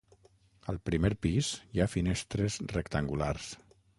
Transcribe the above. Al primer pis hi ha finestres rectangulars.